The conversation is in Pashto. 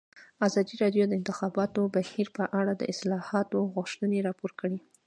ازادي راډیو د د انتخاباتو بهیر په اړه د اصلاحاتو غوښتنې راپور کړې.